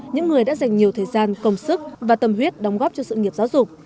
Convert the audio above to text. những người đã dành nhiều thời gian công sức và tâm huyết đóng góp cho sự nghiệp giáo dục